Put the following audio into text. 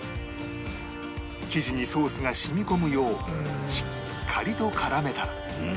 生地にソースが染み込むようしっかりと絡めたら